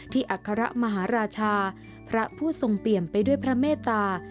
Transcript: อัครมหาราชาพระผู้ทรงเปี่ยมไปด้วยพระเมตตา